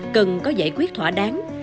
cần có giải quyết thỏa đáng